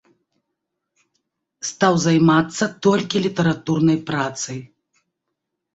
Стаў займацца толькі літаратурнай працай.